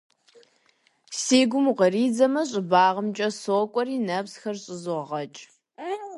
Си гум укъыридзэмэ, щӏыбагъымкӏэ сокӏуэри нэпсхэр щӏызогъэкӏ.